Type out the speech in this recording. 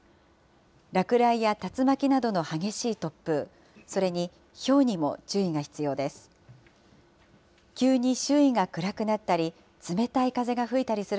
落雷や竜巻などの激しい突風、それにひょうにも注意が必要です。